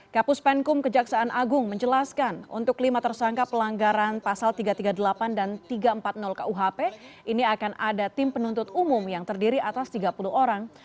kapus penkum kejaksaan agung menjelaskan untuk lima tersangka pelanggaran pasal tiga ratus tiga puluh delapan dan tiga ratus empat puluh kuhp ini akan ada tim penuntut umum yang terdiri atas tiga puluh orang